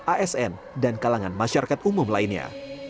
asn dan kalangan masyarakat umum lainnya